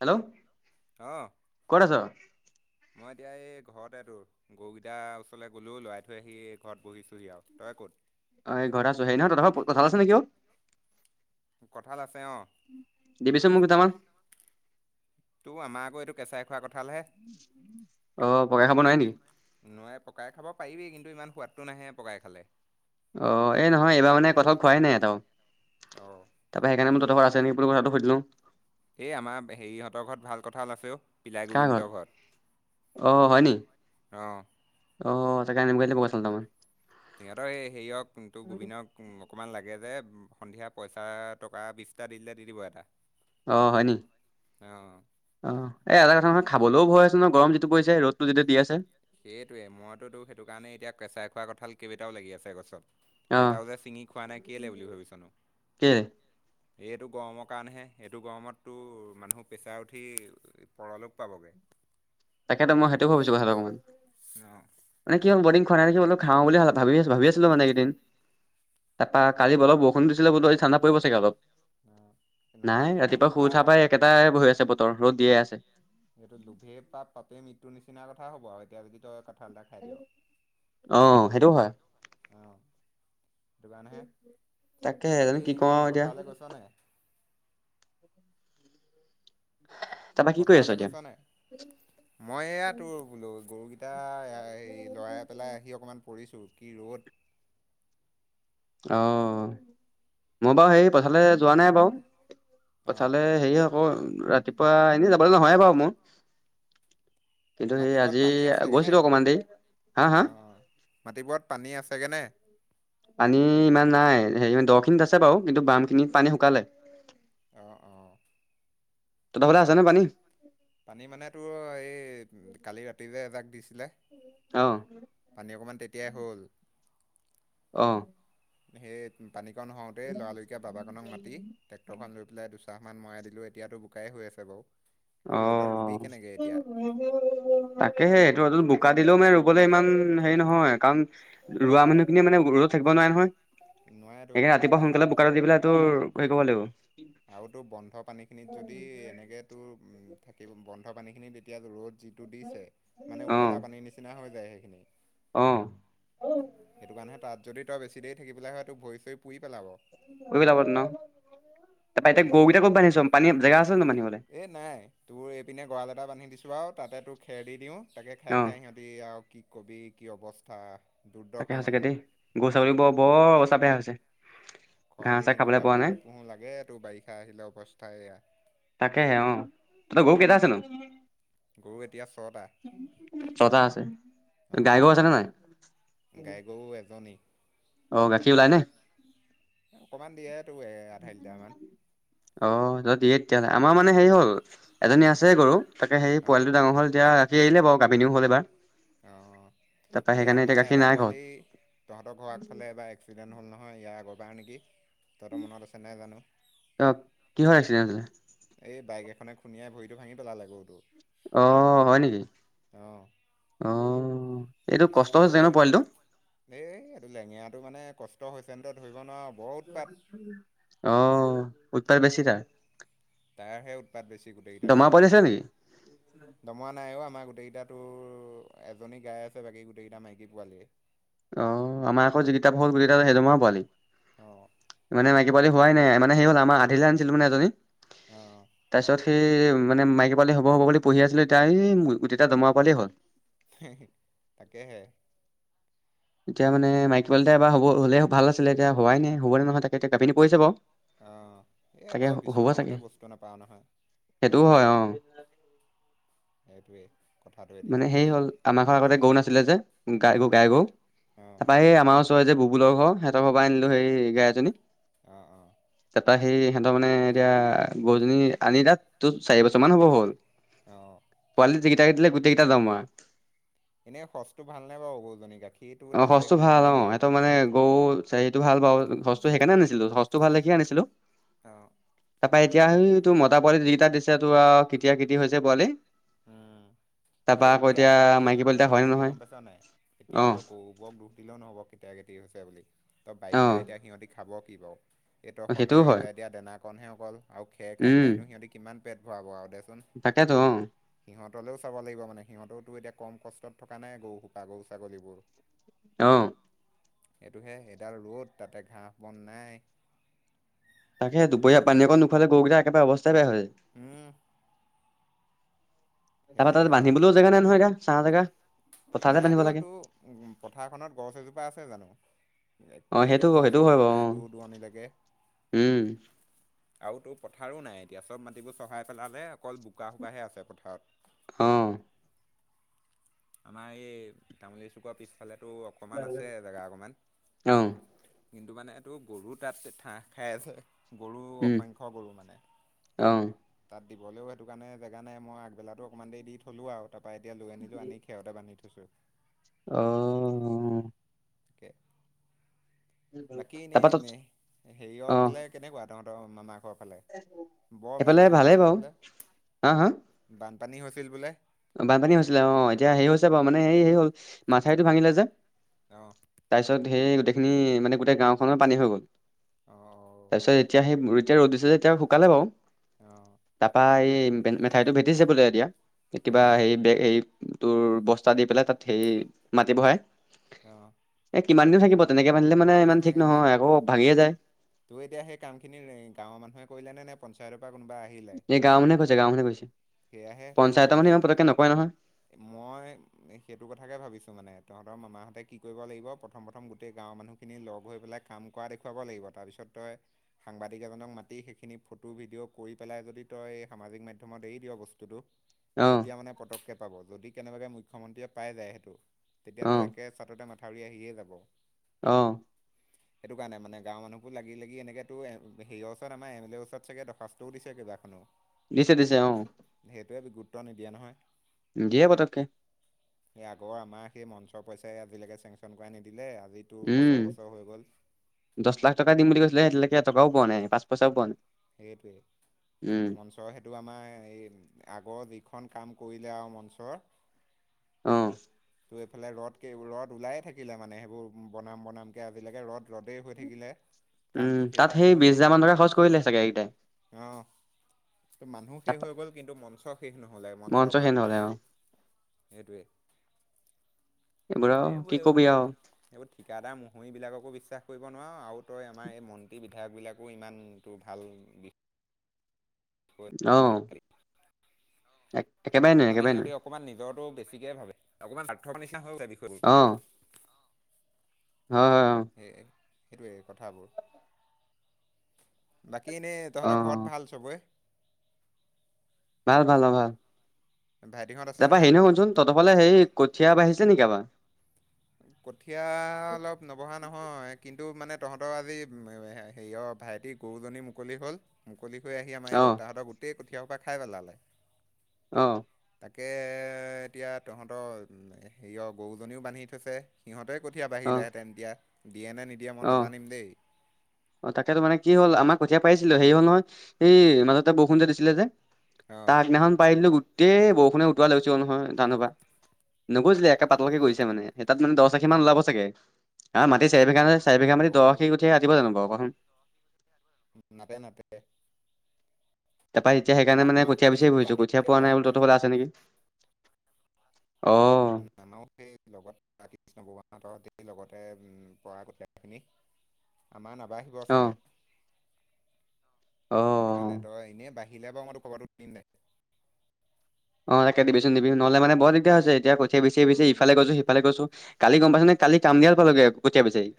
Hello অঁ কত আছ? মই এতিয়া এই ঘতে এ তোৰ গৰুকেইতাৰ ওচৰলৈ গ'লো লৰাই থৈ আহি ঘৰত বহিছোহি আৰু তই ক'ত? অ', এই ঘৰতে আছো হেৰি নহয়, তহঁতৰ ঘৰত কঁঠাল আছে নেকি অৌ? কঁঠাল আছে অঁ দিবিছোন মোক দুটামান। ত' আমাৰ আকৌ এইটো কেঁচাই খোৱা আ অ', পকাই খাব নোৱাৰে নেকি? নোৱাৰে পকাই খাব পাৰিবি কিন্তু ইমান সোৱাদটো নাহে পকাই খালে। অ', এ নহয় এইবাৰ মানে কঁঠাল খোৱাই নাই এটাও অঁ তাৰ পৰা সেইকাৰণে মই তঁহতৰ ঘৰত আছে [unintelligible] সুধিলো এ আমাৰ হেৰিহঁতৰ ঘৰত ভাল কঁঠাল আছে অ। পিলাই কাৰ ঘৰত? গোবিন্দ অ' হয় নি? হঁতৰ ঘৰত অ', অ', তাকেই আনিবগৈ লাগিব আচলতে মই। সিহঁতৰ এ হেৰিয়ক তোৰ গোবিন্দক অকমান লাগে যে সন্ধিয়া পইচা টকা বিশটা দি দিলে দি দিব এটা। অ', হয়নি অঁ অ, এই এটা কথা নহয় খাবলেও ভয় আছে ন গৰম যিটো পৰিছে ৰ'দটো যিটো দি আছে। সেইটোৱে মইতোতো সেইটো কাৰণে এতিয়া কেঁচাই খোৱাৰ কঁঠাল কেইবাটাও লাগি আছে গছত। অ' এটাও যে ছিঙি খোৱা নাই কেলে বুলি ভাবিছনো? কেলে? এইটো গৰমৰ কাৰণেহে এইটো গৰমত তোৰ মানুহ প্ৰেছাৰ উঠি পৰলৈক পাবগে। তাকেতো মই সেইটো ভাবিছো কথাটো অকমানে অ' মানে কি হল [unintelligible] খোৱা নাই দেখি বোলা খাওঁ বুলি ভাবি - ভাবি আছিলো মানে এইকেদিন। তাৰপা কালি অলপ বৰষুণ দিছিলে বোলো ঠাণ্ডা পৰিব চাগে অলপ। নহয় নাই খাবলে ৰাতিপুৱা শুই উঠা ভাল। পৰাই একেটাই হয় আছে বতৰ ৰ'দ দিয়ে আছে। পাপে মৃত্যু নিচিনা কথা হ'ব আৰু এতিয়া যদি তই কঁঠাল এটা খাই দিয়। অ' অ', সেইটো হয়। সেইটো কাৰণেহে তাকে, বাকী জানো কি কওঁ এনেই আৰু এতিয়া। পথাৰলৈ গৈছ নাই তাৰপৰা কি কৰি আছ পথাৰলৈ এতিয়া? গৈছ নাই? মই এয়া তোৰ বোলো গৰুকেইটা হে, লৰাই পেলাই আহি অকমান পৰিছো। কি ৰ'দ। অ', মই বাৰু সেই পথাৰলৈ যোৱা নাই বাৰু। অঁ পথাৰলে হেৰি আকৌ ৰাতিপুৱা এনেই যাবলৈ নহয়ে বাৰু মোৰ। কিন্তু সেই আজি গৈছিলো অকমান দেৰি। হা হা অ', মাটিবোৰত পানী আছেগে নে? পানী ইমান নাই, হেৰি দো খিনিত আছে বাৰু, কিন্তু বাম খিনিত পানী শুকালে। অ', অ', তহঁতৰ ফালে আছে নে পানী? পানী মানে তোৰ, এই কালি ৰাতি যে এজাক দিছিলে। অ পানী অকণমান তেতিয়াই হ'ল। অ', সেই পানী কণ হওতেই, লৰাললিকে বাবা কনক মাতি ট্ৰেক্টৰ খন লৈ পেলাই চাহ মান মই দিলোঁ, এতিয়াতো বোককেই হৈ আছে বাৰু। অ, কিন্তু ৰ'দত ৰুবি কেনেকে এতিয়া তাকেহে সেইটো এইটো [unintelligible] শুকা দিলেও মানে ৰুবলৈ ইমান হেৰি নহয় কাৰণ ৰুৱা মানুহখিনিয়ে মানে ৰ'দত থাকিব নোৱাৰে নহয়। নোৱাৰেতো সেই, ৰাতিপুৱা আৰু সোনকালে বোকাটা দি পেলাইটোৰ হে কৰিব লাগিব আৰু তোৰ বন্ধ পানী খিনিত যদি এনেকে তো উ থাকিব বন্ধ পানী খিনি, তেতিয়া ৰ'দ যিটো দিছে, মানে অ উতলা পানীৰ নিচিনা হৈ যায়, সেইখিনি অ', সেইটো কাৰণে তাত যদি তই বেছি দেৰি থাকি পেলাই হয়, তোৰ ভৰি চৰি পুৰি পেলাব। পুৰি যাব ন? তাৰপা এতিয়া গৰুকেইটা ক'ত বান্ধিছ পানী জেগা আছে জানো বান্ধিবলে এ নাই তোৰ এইপিনে গঁৰাল এটা বান্ধি দিছো আৰু। তাতে তোৰ, খেৰ দি দিও তাকে অ খাই, খাই সিহঁতি আৰু কি কবি কি অৱস্থা। তাকে দুৰ্দশা মানে সচাকে আৰু দেই, গৰু ছাগলী বৰ, বৰ অৱস্থা বেয়া হৈছে। ঘাঁহ খৰালি চাহ খাবলৈ দিনকেইটা পোৱা নাই পুহো পুহো লাগে তো বাৰিষা আহিলে অৱস্থাইয়া তাকেহে, অ, তহঁতৰ গৰু কেইটা আছে নো গৰু এতিয়া ছটা ছটা আছে, অঁ গাইক আছেনে নাই? গাই গৰু এজনী। অ, ' গাখীৰ ওলাইনে? অকণমান দিয়েতো, আধাই লিটাৰমান। অ, দিয়ে তেতিয়াহলে আমাৰ মানে হেৰি হ'ল, এজনী আছে গৰু তাকে হেৰি অঁ অঁ পোৱালি টো ডাঙৰ হল এতিয়া। আহিল বাৰু কাাপিনিও হল এবাৰ। অ, এই আমাৰ এটা নাই ঘৰত পোৱালি তহঁতৰ ঘৰ আগফালে এবাৰ এক্সিডেণ্ট হ'ল নহয়। হয়, ইয়াৰ আগৰ পৰাাৰ নেকি? তহঁতৰ মনত আছে নাই জানো? অ, কিহৰ এক্সিডেণ্টছিলে? এই বাইক এখনে খুন্দিয়াই, ভৰিতটো ভাঙি পেলাল গৰুটোৰ। অ, ' হয় নেকি? অঁ, অ', এইটো তাৰপিছত কষ্ট সেইটো হৈছে ন, পোৱালিটো? এই এইটো লেঙেৰাটো মানে কষ্ট হৈছেনে ধৰিব নোৱাৰ বৰ উৎপাত। অ, ' উৎপাত বেছি তাৰ তাইাৰহে উৎপাত বেছি দমৰা গোটেইকেইটাতকে, পোৱালি আছিলে নেকি দমৰা নাইও আমাৰ গোটেইকেইটাত তোৰ এজনী গাই আছে, বাকী গোটেই কেইটা মাইকী পোৱালীয়ে অ, ' আমাৰ আকৌ যিকেইটা হল, গোটকেই সেইদম পোৱালি, অঁ, মানে মাইকী পোৱালী হোৱাই নাই, মানে সেই হ'ল আমাৰ আধিলৈ আনিছিলো, মানে এজনী অঁ। তাৰ পিছত সেই মানে মাইকী পাল হ'ব, হ'ব বুলি পুহি আছিলো, এতিয়া এই তেতিয়া দমৰা পালে হ'ল তাকেহে এতিয়া মান মাইকিৱল এটা এবাৰ হব হলে ভালছিলে এতিয়া হোৱাই নে হ'ব নহয় তাকে এতি কপিনী পৰি কৰিছে বাৰু আহ এই তাকে তই হ'ব বিচৰা চাগে মতে বস্তু নাপাও নহয় সেইটোও হয় অ', [inaudible] এতিয়া। মানে সেই হ'ল আমাৰৰ আগতে গৰু নাছিলে যে গাই গ গাত গাই গৰু গ'ল। অ', তাৰাপৰা এই আমাৰ ওচৰ যে বুবুলৰ ঘৰ সিহঁতৰ ঘৰ পৰা আনিলো সেই গাই এজনী- অ', ত ত সেই সিহঁতৰ মানে এতিয়া গৰুজনী আনি তাত তোৰ চাৰি বছৰমানান হ'ব হ'ল অ', পোৱালি য কেইটা কেই দিলে গোটেই কেইটা দমৰা এনেই সচটো ভালনোই বাৰু গৌজনী গাখীৰটো দিওঁতে কিমান মান দিয়ে? সেইটো ভাল বু সচো সেইকাৰণে আনিছিলো সচ্তো ভাল দেখিয়ে আনিছিলো অ', তাৰ পৰা এতিয়া স তোৰ মতা পোৱালি যিকেইটা দিছে তোৰ কেতিয়া কেতি হৈছে পোৱালি উম, এ তাৰপা আকৌ এতিয়া তই মাইকী পোৱালি এটা হয় নে কথাটো কি নহয় গম পাইছ নাই অ এতিয়া তই গৌৰুবক দুখ দিলেও নহব কেতিয়া কেতিয়া হৈছে বুলি ত অ বাৰিষা এতিয়া সিহঁতি খাব বাৰু এইটো সেইটোও সন্ধিয়া হয় সিজাই দিয়া দানাকণহে অকল আৰু খেৰ খাই উম খাইনো সিহঁতি কিমান পেট ভৰাব আৰু দেচোন তাকেতো অ সিহঁতলেও কিবা মানে সিহঁতো এতিয়া কম কষ্টত থকা নাই গৰুসোপা গৰু ছাগলীবোৰ আহ, সেইটোহে এডাল ৰ'দ তাতে ঘাঁহ বন নাই তাকে দুপহৰীয়া পানী অকণ নোখোৱালে গৰুগা একেবাৰে অৱস্থাই বেয়া হয় উম, তাপা তাতে সেয়া হৈছে বান্ধিবলৈও জেগা নাই নহয় গা চাহ জেগা পথাৰতে বান্ধিব নাইতো লাগে তোৰ পথাৰখনত গছ এজোপা আছে জানো অ ক'তো সেইটো গছ সেইটো হয় এজোপা বাৰু নাই দূৰ অ দৰণিলৈকে উম আৰু তো পথাৰো নাই এতিয়া চব মাটিবোৰ চহাই পেলালে অকল বোকা সোকাহে আছে পথাৰত আহ, আমাৰ এই তামোল চুকা পিছফালে তটো অকমান আছে জোগা অকমান অ কিন্তু মানে এইটো গৰু তাত ঠাহ খাই আছে। গৰু উম অসংখ্য গৰু মানে অ তাত দিবলৈও সেইটো কাৰণে জেগা নাই মই আগবেকাটো অকমান দে দি থলো আৰু তাৰ পৰা এতিয়া লৈ আনিলো আনি খেৰতে বান্ধি থৈছো। আহ। তাক, বাকী তাৰপা তত এনেই হেৰিয়ৰ ফালে কেনেকুৱা তহঁতৰ মানাকক এইফালে ভালেই বাও, হা হা? পানী হৈছিল বোলে? বানপানী হৈছিলে অ', এতিয়া হেৰি হৈছে বাৰু মানে হে হেই হ'ল মাথাউৰিটো ভাঙিলে যে। অ', অ', তাৰপিছত সেই গোটেইখিনি মানে গোটেই গাওখনৰ পানী হৈ গ'ল। অ', তাৰপিছত এতিয়া সেই এতিয়া ৰ'দ দিছে এতিয়া শুকালে বাৰু, অ', তাৰপা এই মেঠাইতটো ভেটিছে বোলে এতিয়া কিবা অ'। হেই বে হেই তোৰ বস্তা দি পেলাই তাত সেই মাটি বহাই। অ', এ কিমান দিন থাকিব তেনেকে বান্ধিলে মানে এ ইমান ঠিক নাথাকে নহয় নাথাকে, আকৌ ভাঙিয়ে যায় তোৰ এতিয়া সেই কাম খিনি গাঁৱৰ মানুহে কৰিলে নে নে পঞ্চায়তৰ পৰা কোনোবা আহিলে এই গাঁও মানুহে কৈছে গাও মানুহে কৈছে, সেয়াহে তো পঞ্চায়তৰ তহঁতি মানুহে মই পতককে নকাই নহয়। মই সেইটো কথাকে ভাবিছো মানে তহঁতৰ মামাহঁতে কি কৰিব লাগিব প্ৰথম প্ৰথম গোটেই গাঁৱৰ মানুহ লগ হৈ পেলাই কাম কৰা দেখুৱাব লাগিব তাৰপিছত তই সাংবাদিক এজনক মাতি সেইখিনি ফটো ভিডিঅ কৰি পেলাই যদি তই সামাজিক মাধ্যমত এৰি দিয় বস্তুতটো অ তেতিয়া মানে পতক্ষেপ পাব যদি কেনেবাকৈ মুখ্যমন্ত্ৰীয়ে পাই যায় সেইটো অ তেতিয়াতো একে চাটতে মাথাউৰি আহিয়ে যাব। অ'। সেইটো কাৰণে মানে গাঁওৰ মানুহবোৰ লাগি লাগি এনেকেত এ হেৰিয়ৰ ওচৰত আমাৰ এম এল ৰ ওচৰত চাগে দখাস্তও দিছে কিবা কোনো। দিছে দিছে অ'। ত নিদিয়ে নহয়, দিয়ে পতককে সে আগৰ আমাৰ সেই ম প পইচাই আজিলৈকে চেংচন কৰাই নিদিলে আজিতো বছৰ উম, বছৰ হৈ গ'ল দচ লাখ টকা দিম বুলি কৈছিলে সেইতিলৈকে এটকাও পোৱা নাই পাঁচ পইচাও পোৱা নাই। উম সেইটোৱেই মঞ্চ সেইটো আমাৰ এই আগৰ যিখন কাম কৰিলে আৰু মঞ্চৰ অ'। ত' এইফালে ৰদক ৰদ ওলে থাকিলে মানে সেইবোৰ বনাম বনামকে আজিলৈকে ৰ'দ ৰ'দেই হৈ থাকিলে। উম কামটো শেষ তাত সেই বিশ নহ'লেই হাজাৰ মান টকা খৰচ কৰিলে চাগে কেইটাই। অঁ ত' মানুহ শেষ হৈ গ'ল কিন্তু মঞ্চ শেষ নহলে মঞ্চৰ মঞ্চ কাম। সেই নহ'লে আৰু এইটোৱে। এইবোৰ আৰু কি এইবোৰও কবি আৰু এইবোৰ ঠিকাদাৰ মোহৰি বিলাককো বিশ্বাস কৰিব নোৱাৰ আৰু তই আমাৰ এই মন্ত্ৰী বিধায়কবিলাকো ইমানটো ভাল বিষ অ'। একেবাৰে নোৱাৰি মানে একেবাৰে সিহঁতি নোৱাৰি অকণমান নিজৰতটো বেছিকে ভাবে অকণমান স্বাৰ্থ নি হ গ বিষয়বোৰ অ হয় হয় অ'। সেইটোৱেই কথাবোৰ, বাকী এনেই অ তহঁতৰ ঘৰত ভাল চবেই? ভাল ভাল অ' ভাল। ভাইটিহঁত আছে তাৰপা হে নহয় নহ শুনচোন তহঁতৰফালে সেই কঠীয়া বাঢ়িছে নেকি আবাৰ? কঠীয়া অলপ নবঢ়হা নহয় কিন্তু এইটো মানে তহঁতৰ আজি হেৰিয়ৰ ভাইটি গৰুজনী মুকলি হ'ল মুকলি হৈ আহি আমাৰ এই অ বত্তাহতৰ গোটেই কঠীয়া সপা পৰা খাই পেলালে। অ'। তাকে এতিয়া তহঁতৰ হেৰিয় গৰুজনীও বান্ধি থৈছে সিহঁতে কঠিয়া অ বাঢ়িলেহেঁতেন তেতিয়া দিয়ে নে নিদিয়ে মই অ নাজানিম দেই অ', তাকেত তো মানে কি হ'ল আমাক কঠীয়া পাৰিছিলো হেৰি হ'ল নহয় সেই মাজতে বৰষুণ যে দিছিলে যে অ তাৰ আগদিনাখন পাৰ দিলো গোটেই বৰষুণে উতুৱোৱা লাগিছিল নহয় জানো নগৈজছিলে একে পাতলকে গৈছে মানে স তাত মানে দহ আশী মান ওলাব চাগে হ মাটি চাৰ ভোগহে চাৰি বিঘা মাটি আৰু দহশী উঠিয় ৰাতিব জানো বাৰু ককচোন নাপায় নাপে তাৰপৰা এতিয়া সেইকাৰণে মানে কঠীয়া বিচাৰি সেইটো ফুৰিছো কঠীয়া আধিকে পোৱা নাই বোলো তহঁতৰ ফালে আছে নেকি অ', নানাও সেই লগত ৰা কৃষ্ণ ভগৱানহতৰ লগতে পৰা কটখিনি আমাৰ নাবাঢ়িব অ', চাগে সেইটো কাৰণে অ', তই এনেই বাহিলে বাৰু মইতো খবৰটো দিম দে অ তাক দিবিচোন দিবি নহলে মানে বৰ দিগদাৰ হৈছে এতিয়া কঠিয়া বিচি ইফালে গৈছো সিফালে গৈছো কালি গম পা নে কালি কামৰিয়াল পালগে কঠীয়া বিচাৰি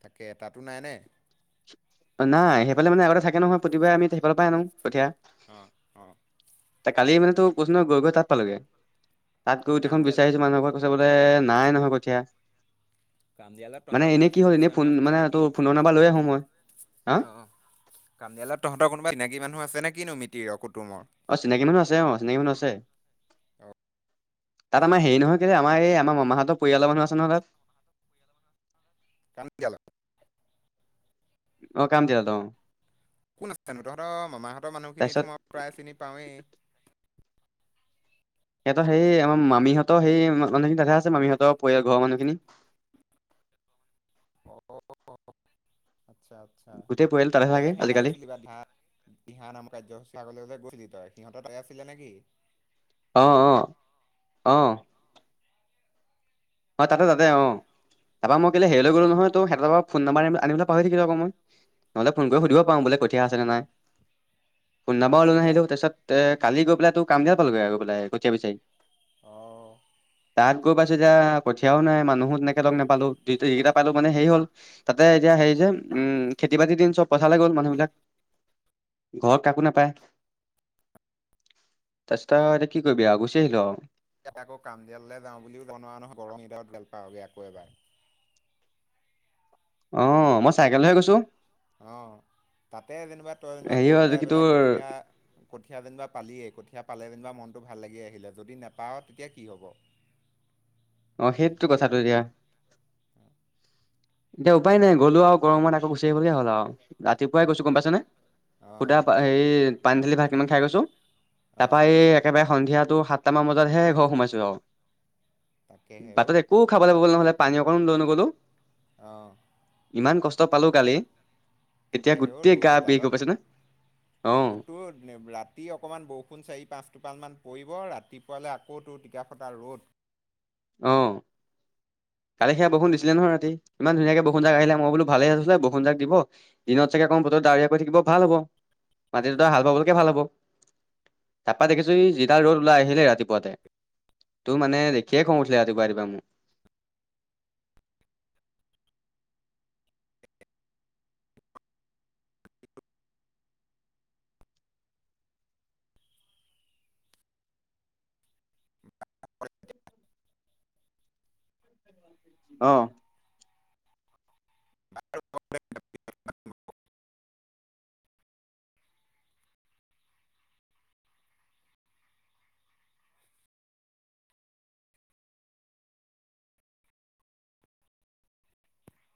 তাকে এটাতো নাইনে? নাই সেইফালে মানে আগতে থাকে নহয় প্ৰতিবাৰে আমি সেইফালৰ পৰা আনো কঠিয়া। অ', অ', কালি মানে তো কৈছ নহ গৈ গৈ তাত পালগে তাত গৈ এই দেখন কামদিয়ালত বিচাৰিছো মানুহৰ ঘৰ কৈ চাব ব নাই নহয় কঠীয়া কামদিয়ালত মানে তহঁতৰ কোনোবা এনেই কি হ'ল চিনাকি এনে মানুহ ফোন আছে মানে নে তোৰ কিনো ফোনৰ নম্বাৰ লৈ আহো অ কামডিয়ত তহঁতৰ কোনোবা চিনাকী মানুহ আছে নে কিনো মিতিৰ কুটুমৰ? অ', চিনাকি মানুহ আছে-অ চিনাকি মানুহ আছে। তাত অ', আমাৰ হেৰি নহয় কেলৈ আমাৰ এই আমাৰ মামাহঁতৰ পৰিয়ালৰ মানুহ আছে নহয় তাত। [unintelligible] অ', কামদিয়ালত কোন আছেনো তহঁতৰ মামাহঁতৰ মানুহখিনিতো তাৰপিছত মই প্ৰায় চিনি পাওঁৱেই সিহঁতৰ সেই আমাৰ মামীহঁতৰ সেই মানুহখিনি তাদে আছে মামীহঁতৰ পৰিয়াল ঘৰৰ মানুহখিনি আচ্ছা আচ্ছা গোটেই পৰিয়াল তাতহে ততে থাকে সেদিনা আজিকালি গৈছিলি বাা ধানান আাম কাৰ্যসূচী আগ গৈছিলি তই সিহঁত তাই আছিলে নেকি? আহ, আহ, আহ, অ', তাতে তাতে অ তাৰা মই কেলে হেৰি ল অ', গলো নহয় ততে পৰা ফোনম্বাৰ আনিবলৈ পাহৰি থাকিল আকৌ মই নহলে ফোন কৰি সুধিব উম, পাৰো বোলে কঠীয়াা আছে নে নাই ফোন নাব তই ওলো ন তেতিয়া আহিলো তাৰপছত এ কালি গৈ পাই ত কাম দিয় পালগৈ আৰুৈ পেলাই কঠিয়াব বিচাৰি অ', তাত গৈ পাইছতিয়া কঠিয়ও নাই মানুহো তেনেকে লগ নাপালো দুই যকেইটা পালো মানে হেৰি হ'ল তাতে এতিয়া হেৰি যে উম খেতি বাতি দিন চব পইচালৈ গ'ল মানুহবিলাক ঘৰত কাকো নাপায় তাৰতা এতিয়া কি কৰিবি গুচি আহিলো ইতিয়াত আকৌ কামডিয়াললৈ যাওঁ বুলিও জনোৱা নহয় গৰং ইদাহত গেল পাওঁগৈ আকৌ এবাৰ অ', মই চাইকেল হৈ গৈছো আহ, তাতে যেনিবা তই যেনিবা হেৰি গৈ হ'ল পাই কি পেলাই তোৰ কঠীয়া কঠীয়া যেনিবা পালিয় কঠীয়া ভাল ম ভ য নাওঁ তেতিয়া হ অ', সেইটো কথাটো দিয়া এতিয়া উপায় নাই গ'লো আৰু গৰমত আকৌ গুচি আহিবলগীয়া হ'ল আৰু ৰাতিপুৱাই গৈছো গম তাকে পাইছেনেে সুদা অঁ হেৰি পানী ঢালি ভাত কিমান খাই গৈছো অঁ তাৰপৰা এই একেবাৰে সন্ধিয়াতো সাতটাামান বজাতহে ঘৰ সোমাইছো আৰু তাকে হেও বাটত একো খাবলৈ গ'ল নহলে পানী অকনমান লৈ নগ'লো অ', ইমান কষ্ট পালো গালি এতিয়া তাকে হেও গোটেই ৰ'দ গা ব গ এইডালত পাইছো ন বুতো ৰাতি অকমান বৰষুণ চাৰি পাঁচ টো পাঁচ মান কৰিব, ৰাতিপুৱালৈ আকৌ তোৰ টিকাফটা ৰ'দ। অ'। কালি সেয়া ববৰষূন দিছিলে নহয় ৰাতি, ইমান ধুনীয়াকে বসন জাক আহিলে মই বোলো ভালে আছিলে বখুন জাক দিব দিনত চাগে অকন বতৰ ডাৱৰীয়া কৰি থাকিব ভাল হব, মাটি দুটা হাল বাবলৈকে ভাল হব। তাৰপা দেখিছো ই, যিডাল ৰ'দ ওলাই আহিলে ৰাতিপুৱাতে। তোৰ মানে দেখিয়ে খং উঠিলে ৰাতিপুৱা ৰাতিুৱা মোৰ। অ'। [unintelligible]